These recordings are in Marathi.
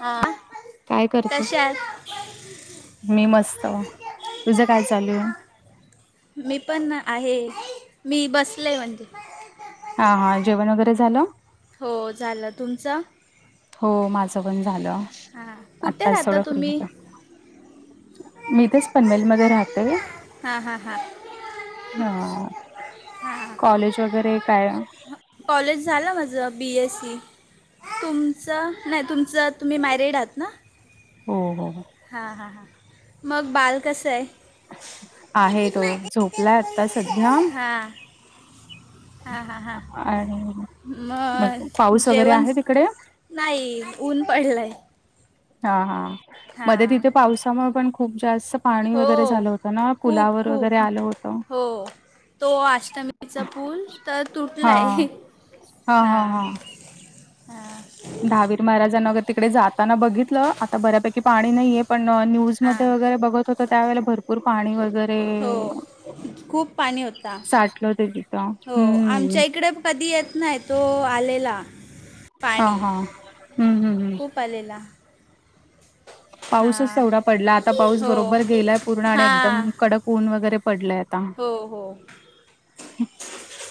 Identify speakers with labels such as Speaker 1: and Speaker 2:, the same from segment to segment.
Speaker 1: हा
Speaker 2: काय करते?
Speaker 1: कशा आहेत.
Speaker 2: मी मस्त, तुझं काय चालू ये.
Speaker 1: मी पण आहे. मी बसले म्हणजे,
Speaker 2: हा हा, जेवण वगैरे झालं.
Speaker 1: हो झालं तुमचा?
Speaker 2: हो, माझं पण झालं.
Speaker 1: हां कुठे
Speaker 2: आत्ताच
Speaker 1: राहता
Speaker 2: थोडं फ्री
Speaker 1: तुम्ही
Speaker 2: होते. मी इथंच पनवेलमध्ये राहते.
Speaker 1: हा हा हा.
Speaker 2: हां, कॉलेज वगैरे काय?
Speaker 1: कॉलेज झालं माझं बी एस सी. तुमचं नाही तुमचं तुम्ही मॅरेड आहेत ना.
Speaker 2: हो हो हो.
Speaker 1: हां हां हां मग बाळ कसं आहे?
Speaker 2: आहे तो झोपला आता सध्या
Speaker 1: हां. हां हां हां
Speaker 2: आणि मग
Speaker 1: म
Speaker 2: पाऊस वगैरे
Speaker 1: जेवन
Speaker 2: आहे तिकडे?
Speaker 1: नाही ऊन पडलंय.
Speaker 2: हा हा मध्ये तिथे
Speaker 1: हां
Speaker 2: पावसामुळे पण खूप जास प पाणी
Speaker 1: हो
Speaker 2: वगैरे झालं होतं ना
Speaker 1: खूप
Speaker 2: पुलावर
Speaker 1: खूप
Speaker 2: वगैरे आलं होतं.
Speaker 1: हो तो अष्टमीचा पूल तर
Speaker 2: हा
Speaker 1: तुटलाय.
Speaker 2: हा हा
Speaker 1: हां
Speaker 2: हा.
Speaker 1: हां
Speaker 2: दहावीर महाराजांना वगर तिकडे जाताना बघितलं आता बऱ्यापैकी पाणी नाहीये पण न्यूज मध्ये
Speaker 1: हां
Speaker 2: वगैरे बघत होत त्यावेळेला भर भरपूर पाणी वगैरे
Speaker 1: हो खूप पाणी होता
Speaker 2: साठलं तिथे.
Speaker 1: हो आमच्या इकडे कधी येत नाही तो आलेला.
Speaker 2: हा
Speaker 1: पाणी
Speaker 2: हा हम्म हम्म हम्म
Speaker 1: खूप आलेला.
Speaker 2: पाऊसच
Speaker 1: हां
Speaker 2: तेवढा पडला आता पाऊस
Speaker 1: हो
Speaker 2: बरोबर गेलाय पूर्ण आणि एकदम
Speaker 1: हां
Speaker 2: कडक ऊन वगैरे पडलाय.
Speaker 1: हो हो.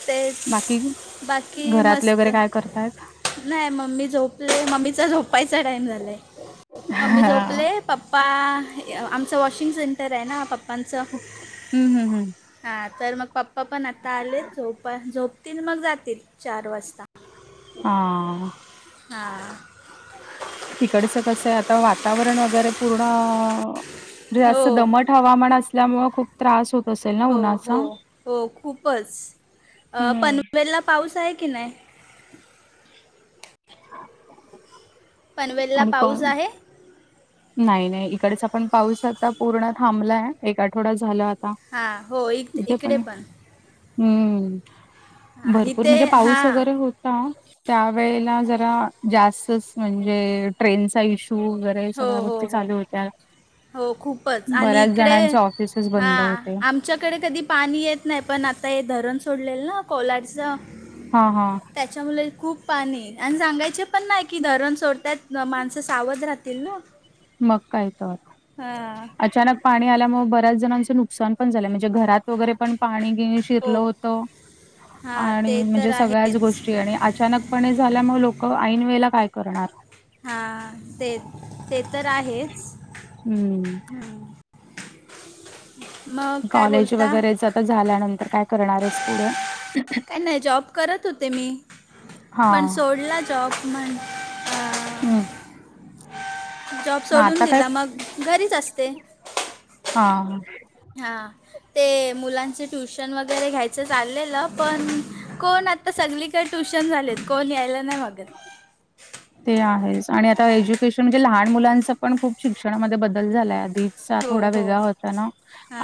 Speaker 1: तेच
Speaker 2: बाकी
Speaker 1: बाकी
Speaker 2: घरातले
Speaker 1: मस्त.
Speaker 2: वगैरे काय करतायत
Speaker 1: नाही मम्मी झोपले मम्मीचा झोपायचा टाइम झालाय मम्मी झोपले
Speaker 2: हम्म
Speaker 1: पप पा आमचं वॉशिंग सेंटर आहे ना पप्पांचं.
Speaker 2: हम्म हम्म हम्म.
Speaker 1: हा तर मग पप्पा पण आता आले झोपा झोपतील मग जातील चार वाजता.
Speaker 2: आ
Speaker 1: हां.
Speaker 2: तिकडचं कसं आहे आता वातावरण वगैरे पूर्ण
Speaker 1: हो
Speaker 2: जास्त दमट हवामान असल्यामुळं खूप त्रास होत असेल ना
Speaker 1: हो हो
Speaker 2: उन्हाचा
Speaker 1: हो खूपच अ,
Speaker 2: हम्म.
Speaker 1: पनवेलला पाऊस आहे की नाही?
Speaker 2: [inaudible]
Speaker 1: पनवेलला पाऊस आहे?
Speaker 2: नाही-नाही इकडचा आपण पाऊस आता पूर्ण थांबलाय एक आठवडा झाला आता.
Speaker 1: हा हो इत इकडे पण.
Speaker 2: हम्म
Speaker 1: हां
Speaker 2: भरपूर
Speaker 1: इथे
Speaker 2: म्हणजे पाऊस
Speaker 1: हां
Speaker 2: वगैरे होत त्या वळेला जरा जास्तच म्हणजे ट्रेनचा इशू वगैरे
Speaker 1: हो
Speaker 2: सगळ्या
Speaker 1: हो
Speaker 2: गोष्टी
Speaker 1: हो
Speaker 2: चालू होत्या.
Speaker 1: हो खूपच आणि
Speaker 2: बऱ्याच
Speaker 1: इकडे
Speaker 2: जणांचे ऑफिसेस
Speaker 1: हा
Speaker 2: बंद
Speaker 1: आम
Speaker 2: होते.
Speaker 1: आुमच्याकडे कधी पाणी येत नाही पण आता हे धरण सोडलेलं ना कोलाडचं.
Speaker 2: हां हां.
Speaker 1: त्याच्यामुळे खूप पाणी आणि सांगायचे पण नाही की धरण सोडतत माणसं सावध राहतील ना.
Speaker 2: मग काय तर
Speaker 1: हां
Speaker 2: अचानक पाणी आल्यामुळे बऱ्याच जणांच नुकसान पण झालं म्हणजे घरात वगैरे पण पाणी गेश
Speaker 1: हो
Speaker 2: शिरलं होतं
Speaker 1: हां
Speaker 2: आणि
Speaker 1: ते तर
Speaker 2: म्हणजे सगळ्याच
Speaker 1: आहेच
Speaker 2: गोष्टी ची आणि अचानकपणे झाल्यामुळे लोकं ऐन वेळेला काय करणार.
Speaker 1: हा ते ते तर आहेच हम्म. मग काय
Speaker 2: कॉलेज
Speaker 1: बोलता
Speaker 2: वगैरे जत झाल्यानंतर काय करणार आहेस पुढे?
Speaker 1: काय नाही जॉब करत होते मी पण
Speaker 2: हां.
Speaker 1: सोडला जॉब म्हण
Speaker 2: हम्म.
Speaker 1: जॉब सोडून
Speaker 2: काय
Speaker 1: दिला मग, घरीच असते.
Speaker 2: हा हा.
Speaker 1: हा ते मुलांचे ट्युशन वगैरे घ्यायचं चाललेलं, पण कोण आता आता सगळीकडे ट्युशन झालेत, कोण यायला नाही बघत.
Speaker 2: ते आहेच आणि आता एज्युकेशन म्हणजे लहान मुलांच पण खूप शिक्षणामध्ये बदल झालाय. आधी सा
Speaker 1: हो
Speaker 2: थोडा
Speaker 1: हो
Speaker 2: वेगळा होता ना,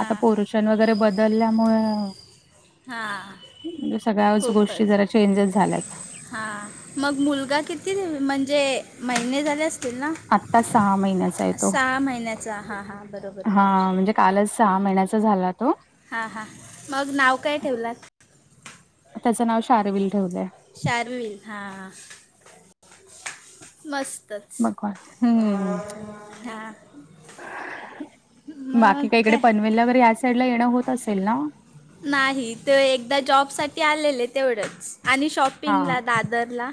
Speaker 2: आता पोर्शन वगैरे बदलल्यामुळं
Speaker 1: हां
Speaker 2: म्हणजे सगळ्याच गोष्टी जरा चेंजेस झाल्यात.
Speaker 1: हा, मग मुलगा किती म्हणजे महिने झाल्यास तेला?
Speaker 2: आत्ता महिन्याचा आहे तो.
Speaker 1: सहा महिन्याचा हां हां बरोबर बरोबर.
Speaker 2: हां, म्हणजे कालच सहा महिन्याचा झाला तो
Speaker 1: हा हा, मग नाव काय ठेवलात?
Speaker 2: त्याचं नाव शारविल ठेवलंय.
Speaker 1: शारविल हा हा. मस्त.
Speaker 2: मग काय? हम्म.
Speaker 1: हां
Speaker 2: बाकी काय इकडे पनवेलला वगैरे, या साईड ला येणं होत असेल ना?
Speaker 1: नाही ते एकदा जॉबसाठी आलेले तेवढंच आणि शॉपिंगला दादरला.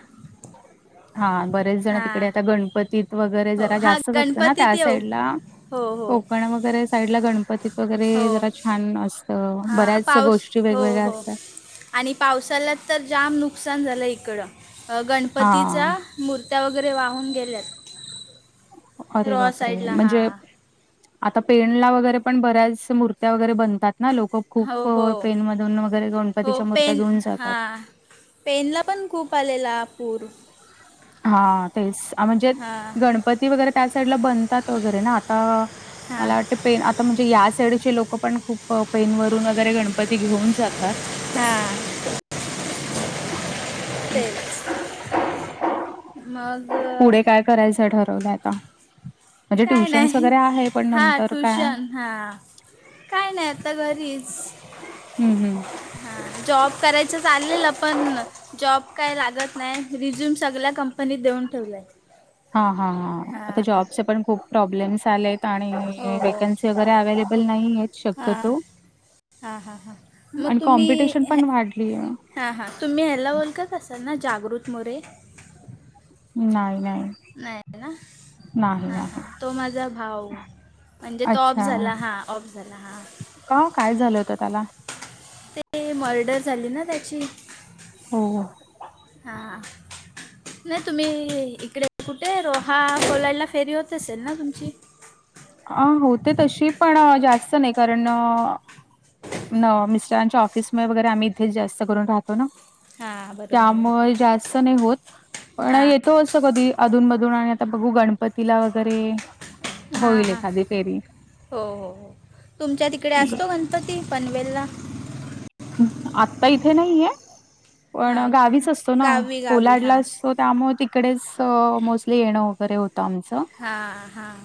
Speaker 2: हा बरेच जण तिकडे
Speaker 1: हां
Speaker 2: आता गणपतीत वगैरे,
Speaker 1: हो
Speaker 2: जरा
Speaker 1: हां
Speaker 2: जास्तच असतं ना
Speaker 1: गणपतीत
Speaker 2: त्या
Speaker 1: येऊ
Speaker 2: साईडला.
Speaker 1: हो हो
Speaker 2: कोकण वगैरे साईडला, गणपतीत वगैरे
Speaker 1: हो
Speaker 2: जरा छान अस हां, बऱ्याच
Speaker 1: पाऊस
Speaker 2: गोष्टी
Speaker 1: हो
Speaker 2: वेगवेगळ्या
Speaker 1: हो
Speaker 2: असतात.
Speaker 1: आणि पावसाळ्यात तर जाम नुकसान झालं इकडं, अ
Speaker 2: हां,
Speaker 1: गणपतीचा मूर्त्या वगैरे वाहून गेल्यात.
Speaker 2: अरे
Speaker 1: रॉ
Speaker 2: बापरे,
Speaker 1: साईडला
Speaker 2: म्हणजे
Speaker 1: हां
Speaker 2: आता पेनला वगैरे पण बऱ्याच मूर्त्या वगैरे बनतात ना, लोक
Speaker 1: हो
Speaker 2: खूप
Speaker 1: हो
Speaker 2: पेनमधून वगैरे
Speaker 1: हो
Speaker 2: गणपतीच्या मूर्त्या
Speaker 1: पेन
Speaker 2: घेऊन जातात.
Speaker 1: हां पेनला पण खूप आलेला पूर.
Speaker 2: हा तेच म्हणजे
Speaker 1: हां
Speaker 2: गणप पती वगैरे त्या साईडला बनतात वगैरे ना, आता
Speaker 1: हां
Speaker 2: मला वाटतं, पेन आता म्हणजे या साईडचे लोकंपण खूप प पैनवरून वगैरे गणपती घेऊन जातात.
Speaker 1: हां तेच मग,
Speaker 2: पुढे काय करायचं ठरवलंय आता. म्हणजे
Speaker 1: काय
Speaker 2: ट्युशन्स
Speaker 1: नाही,
Speaker 2: वगैरे आहे पण
Speaker 1: हा
Speaker 2: नंतर काय
Speaker 1: ट्युशन हा. काय नाय आता घरीच.
Speaker 2: हम्म हम्म.
Speaker 1: हा, जॉब करायच चाललेलं पण जॉब काय लागत नाही, रिझ्यूम सगळ्या कंपनीत देऊन ठेवलाय.
Speaker 2: हा हा हा. आता जॉबचे पण खूप प्रॉब्लेम्स आलेत आणि
Speaker 1: हो हो
Speaker 2: वेकन्सी अग वर अवेलेबल नाहीयेत
Speaker 1: हां
Speaker 2: शक्यतो
Speaker 1: हां हां हां मग
Speaker 2: आणि
Speaker 1: तुम्ही
Speaker 2: कॉम्पिटिशन
Speaker 1: ह
Speaker 2: पण वाढलीय.
Speaker 1: हां हां, तुम्ही ह्याला ओळखत असाल ना जागृत मोरे?
Speaker 2: नाही नाही.
Speaker 1: नाही ना.
Speaker 2: नाही,
Speaker 1: हां हां
Speaker 2: नाही.
Speaker 1: तो माझा भाऊ. म्हणजे तो ऑफ
Speaker 2: अच्छा.
Speaker 1: झाला हां, ऑफ झाला हां.
Speaker 2: का, काय झालं होतं त्याला?
Speaker 1: ते मर्डर झाली ना त्याची
Speaker 2: हो.
Speaker 1: हा हा. नाही तुम्ही इकडे कुठे, रोहा कोलायला फेरी होत असेल ना तुमची?
Speaker 2: आं होते तशी, पण जास्त नाही. कारण न मिस्टरांच्या ऑफिस म वगैरे आम्ही इथेच जास्त करून राहतो ना.
Speaker 1: हां बरोबर बरोबर
Speaker 2: त्यामुळें जास्त नाही होतं. पण
Speaker 1: हां
Speaker 2: येतो असं कधी अधूनमधून आणि आता बघू गणपतीला वगैरे,
Speaker 1: हां
Speaker 2: होईल
Speaker 1: हां,
Speaker 2: एखादी फेरी.
Speaker 1: हो. हो. हो. तुमच्या तिकडे असतो गणपती पनवेलला.
Speaker 2: आता इथे नाहीये, पण
Speaker 1: हां
Speaker 2: गावीच असतो ना,
Speaker 1: गावी गावी
Speaker 2: कोलाडला
Speaker 1: हां
Speaker 2: अस सो त्यामुळे तिकडेच मोस्टली येणं वगैरे होतं आमचं.
Speaker 1: हां हां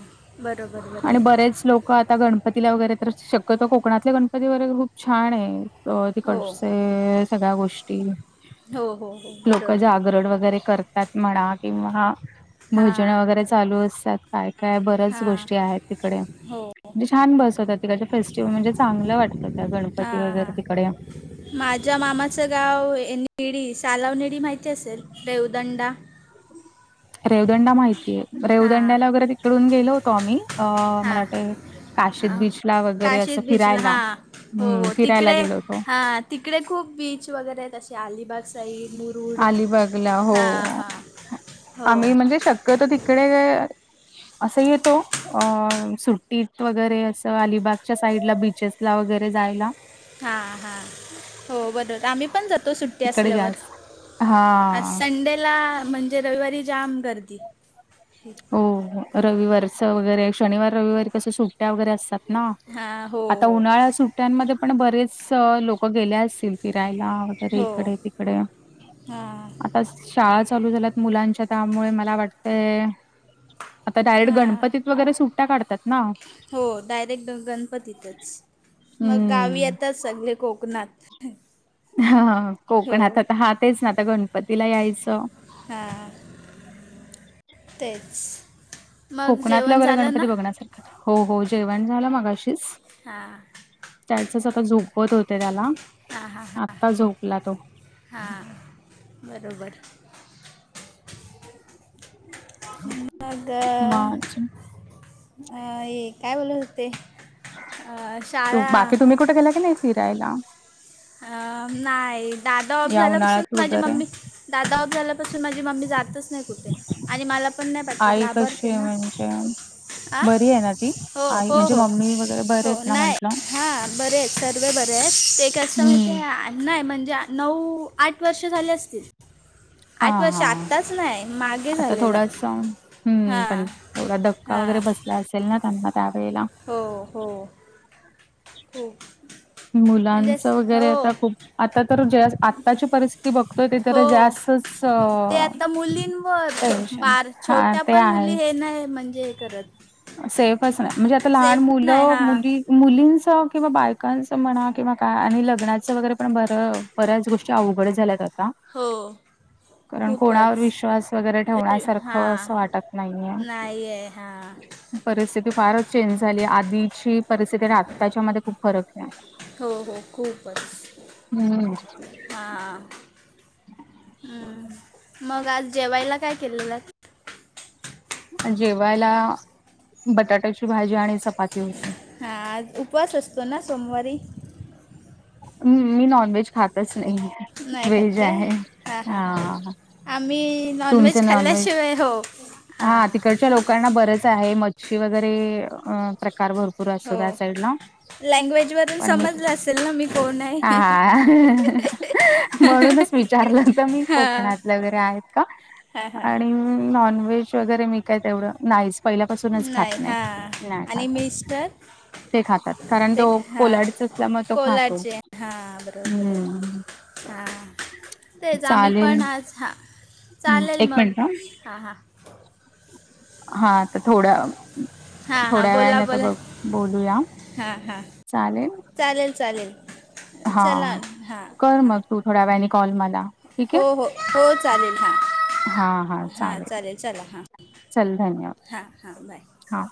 Speaker 1: बरोबर
Speaker 2: आणि
Speaker 1: बरोबर
Speaker 2: बरेच लोक आता गणप गणपतीला वगैरे तर शक्यतो कोकणातले गणपती वगैरे खूप छान आहे
Speaker 1: हो
Speaker 2: तिकडचे, सगळ्या गोष्टी
Speaker 1: हो हो हो
Speaker 2: लोकं
Speaker 1: बरोबर
Speaker 2: जागरण वगैरे कर म्हणा किंवा भजन
Speaker 1: हां
Speaker 2: वगैरे चालू असतात काय काय ब
Speaker 1: हां
Speaker 2: गोष्टी आहेत तिकडेे
Speaker 1: हो
Speaker 2: छान बसवतात. तिकडच्या फेस्टिवल म्हणजे चांगलं वाट त्या काय गणपती
Speaker 1: हां
Speaker 2: वगैरे
Speaker 1: हां
Speaker 2: तिकडे.
Speaker 1: माझ्या मामाचं गाव निळी सालाव निळी माहिती असेल देवदंडा
Speaker 2: रेवदंडा माहितीये
Speaker 1: हां
Speaker 2: रेवदंड्याला वगैरे तिकडून गेलो होतो आम्ही. अ मला
Speaker 1: हां
Speaker 2: वाटतंय काशीद
Speaker 1: हां.
Speaker 2: बीच ला वगैरे असं
Speaker 1: काशीद बीचला
Speaker 2: फिरायला.
Speaker 1: हां हो
Speaker 2: हम्म
Speaker 1: हो
Speaker 2: फिरायला
Speaker 1: तिकडे
Speaker 2: गेलो होतो.
Speaker 1: हां तिकडे खूप बीच वगैरे आहेत. अशे अलिबाग साईड. मुरुड
Speaker 2: अलिबागला हो
Speaker 1: हां हां हो
Speaker 2: आम्ही म्हणजे शक्यतो तिकडे, असं येतो. अ-सुट्टीत वगैरे असं, अलिबागच्या साईड ला बीचेस ला वगैरे जायला.
Speaker 1: हां हां हो बरोबर आम्ही पण जातो सुट्टी
Speaker 2: तिकडे
Speaker 1: असल्यावर.
Speaker 2: जास्त
Speaker 1: आज
Speaker 2: हा
Speaker 1: संडेला म्हणजे रविवारी जाम गर्दी.
Speaker 2: हो रविवारच वगैरे शनिवार रविवारी कसं सुट्ट्या वगैरे असतात ना,
Speaker 1: हां हो
Speaker 2: आता
Speaker 1: हो
Speaker 2: उन्हाळ्या सुट्ट्यांमध्ये पण बरेच लोक गेले असतील? फिरायला तरी
Speaker 1: हो
Speaker 2: इकडे तिकडे
Speaker 1: हां
Speaker 2: आता शाळा चालू झाल्यात मुलांच्या त्यामुळे मला वाटतयं.
Speaker 1: हां,
Speaker 2: सुट्ट्या काढतात ना.
Speaker 1: हो डायरेक्ट गणपतीतच. मग गावी
Speaker 2: हम्म
Speaker 1: येतात सगळे कोकणात.
Speaker 2: हा
Speaker 1: हो
Speaker 2: कोकणात आता तेच ना आता गणपतीला यायचं.
Speaker 1: हां, तेच. मग
Speaker 2: कोकणातलं
Speaker 1: जेवण
Speaker 2: वगैरं
Speaker 1: झालं ना
Speaker 2: गणपती बघण्यासारखे हो हो जेवण झालं मगा अशीच.
Speaker 1: हा..
Speaker 2: त्याचच आता झोपवत होते त्याला
Speaker 1: हां. हां.. हां..
Speaker 2: आत्ता झोपला तो
Speaker 1: हां... बरोबर. मग..
Speaker 2: मार्च
Speaker 1: अ काय बोलत होते? अ, शाळा
Speaker 2: बाकी तुम्ही कुठे गेला की नाही फिरायला?
Speaker 1: अ नाही दादा ऑफ
Speaker 2: या
Speaker 1: झाल्यापासून,
Speaker 2: उन्हाळ्यात
Speaker 1: माझी
Speaker 2: वगैरे
Speaker 1: मम्मी दादा ऑफ झाल्यापासून माझी मम्मी जातच नाही कुठे? आणि मला पण नाही पाठवत
Speaker 2: आई कशी
Speaker 1: घाबरते
Speaker 2: आहे
Speaker 1: ना
Speaker 2: म्हणजे
Speaker 1: आ
Speaker 2: बरी आहे ना ती
Speaker 1: हो
Speaker 2: आई म्हणजे मम्मी वगैरे बरे आहेत ना म्हंटलं.
Speaker 1: हा बरे आहेत सर्व बरे आहेत ते कस्टमरचे
Speaker 2: हम्म
Speaker 1: नाही म्हणजे नऊ, आठ वर्ष झाले असतील.
Speaker 2: हा
Speaker 1: आठ वर्ष
Speaker 2: हा
Speaker 1: आत्ताच नाही मागे
Speaker 2: आता
Speaker 1: झालेलं
Speaker 2: थोडासा हम्म
Speaker 1: हां
Speaker 2: पण थोडा धक्का वगैरे
Speaker 1: हां
Speaker 2: बस असेल ना त्यांना त्यावेळेला
Speaker 1: हो हो हो म्हणजे अस-
Speaker 2: मुलांचं वगैरे आता खूप आता तर जास्त आत्ताची परिस्थिती बघतोय ते तर
Speaker 1: हो
Speaker 2: जास्तच
Speaker 1: ते आता मुलींवर छो-
Speaker 2: टेन्शन,
Speaker 1: बार
Speaker 2: हा
Speaker 1: छोट्या
Speaker 2: ते
Speaker 1: पण
Speaker 2: आहे
Speaker 1: मुली हे नाही म्हणजे हे करत
Speaker 2: सेफच नाही म्हणजे, आता लहान
Speaker 1: सेफ नाही
Speaker 2: मुलं
Speaker 1: हां
Speaker 2: मुली. मुलींच किंवा बायकांचं म्हणा किंवा काय आणि लग्नाचं वगैरे पण बरं. बऱ्याच गोष्टी अवघड झाल्यात आता
Speaker 1: हो.
Speaker 2: कारण
Speaker 1: खूपचं,
Speaker 2: कोणावर विश्वास वगैरे
Speaker 1: हा
Speaker 2: ठेवण्यासारखं असं वाटत नाहीये.
Speaker 1: नाहीये हां.
Speaker 2: परिस्थिती फारच चेंज झाली आधी ची परिस्थिती आत्ताच्या मध्ये, खूप फरक आहे.
Speaker 1: हो हो, खूप.
Speaker 2: हम्म.
Speaker 1: हां, मग आज जेवायला काय केलेलात.
Speaker 2: जेवायला बटाट्याची भाजी आणि चपाती होती.
Speaker 1: हां, आज उपवास असतो ना सोमवारी.
Speaker 2: मी नॉन व्हेज खातच नाही.
Speaker 1: नाही
Speaker 2: व्हेज
Speaker 1: खात काय
Speaker 2: आहे
Speaker 1: हां हां हां
Speaker 2: हा,
Speaker 1: आम्ही नॉनव्हेज
Speaker 2: तुमचं
Speaker 1: खाल्ल्याशिवाय हो, हा.
Speaker 2: त्या‌ लोकांना बरेच आहे. मच्छी वगैरे प्रकार भरपूर असत
Speaker 1: हो
Speaker 2: त्या साईडला.
Speaker 1: लँग्वेजवरून समजलं असेल
Speaker 2: [unintelligible]
Speaker 1: ना मी कोण आहे
Speaker 2: हा म्हणूनच विचारलं तर मी, कोकणात वगैरे आहेत कां?
Speaker 1: हा हा.
Speaker 2: नॉनव्हेज वगैरे मी काय तेवढं नाहीच पहिल्यापासून चं खात नाही,
Speaker 1: हां
Speaker 2: नाय
Speaker 1: आणि
Speaker 2: खातं.
Speaker 1: मिस्टर
Speaker 2: ते खातात. कारण
Speaker 1: ते
Speaker 2: तो
Speaker 1: हां
Speaker 2: कोलाडीच असल्यामुळे तो खातो.
Speaker 1: कोलारचे
Speaker 2: हम्म
Speaker 1: हा तेच आम्ही
Speaker 2: चालेल
Speaker 1: पण, आज हां.
Speaker 2: हं,
Speaker 1: चालेल
Speaker 2: एक
Speaker 1: मग,
Speaker 2: मिनिट ह
Speaker 1: हां हां.
Speaker 2: हा आता थोड्या
Speaker 1: हां हां
Speaker 2: थोड्या
Speaker 1: बोला
Speaker 2: वेळाने आता
Speaker 1: बोला
Speaker 2: बघ बोलूया
Speaker 1: हां हां
Speaker 2: चालेल
Speaker 1: चालेल चालेल.
Speaker 2: हा,
Speaker 1: चला हां
Speaker 2: कर
Speaker 1: हां
Speaker 2: मग तू थोड्या वेळाने कॉल मला. ठीक
Speaker 1: हो
Speaker 2: आहे.
Speaker 1: हो हो, चालेल हां हां, चालेल ला हां.
Speaker 2: चल धन्यवाद
Speaker 1: हा हा, बाय.
Speaker 2: हां.